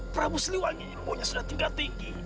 prabu sliwangi impunya sudah tingkat tinggi